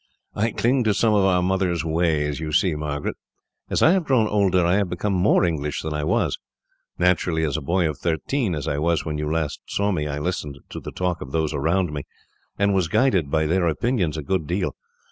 "I cling to some of our mother's ways, you see, Margaret. As I have grown older, I have become more English than I was. Naturally, as a boy of thirteen, as I was when you last saw me, I listened to the talk of those around me, and was guided by their opinions a good deal.